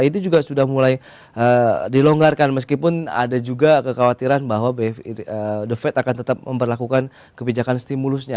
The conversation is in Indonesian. itu juga sudah mulai dilonggarkan meskipun ada juga kekhawatiran bahwa the fed akan tetap memperlakukan kebijakan stimulusnya